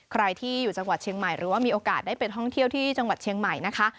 ใครที่อยู่จังหวัดเชียงใหม่หรือว่ามีโอกาสได้ไปท่องเที่ยวที่จังหวัดเชียงใหม่นะคะ